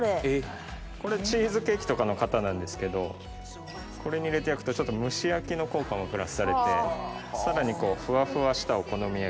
これチーズケーキとかの型なんですけどこれに入れて焼くとちょっと蒸し焼きの効果もプラスされてさらにフワフワしたお好み焼きが。